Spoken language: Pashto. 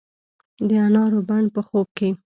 د انارو بڼ په خوب کې